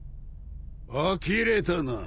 あきれたな。